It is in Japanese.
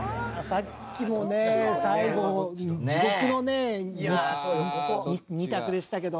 さっきもね最後地獄のね２択でしたけど。